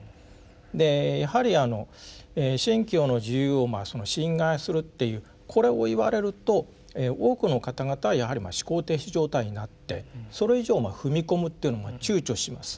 でやはり「信教の自由」を侵害するっていうこれを言われると多くの方々はやはりまあ思考停止状態になってそれ以上踏み込むっていうのをちゅうちょします。